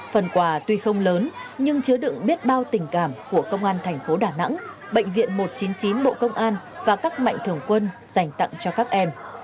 phần quà tuy không lớn nhưng chứa đựng biết bao tình cảm của công an thành phố đà nẵng bệnh viện một trăm chín mươi chín bộ công an và các mạnh thường quân dành tặng cho các em